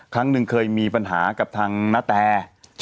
ครั้งหนึ่งเคยมีปัญหากับทางนาแต